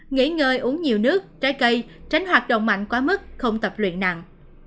nghỉ ngơi uống nhiều nước trái cây tránh hoạt động mạnh quá mức không tập luyện nặng